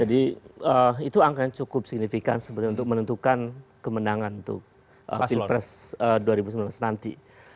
jadi itu angka yang cukup signifikan sebenarnya untuk menentukan kemenangan untuk pilpres dua ribu sembilan belas nanti